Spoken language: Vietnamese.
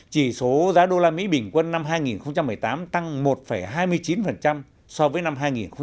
chỉ số giá usd bình quân năm hai nghìn một mươi tám tăng một hai mươi chín so với năm hai nghìn một mươi bảy